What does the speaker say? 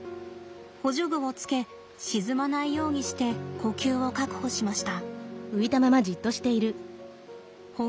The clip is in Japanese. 補助具をつけ沈まないようにして呼吸を確保しました。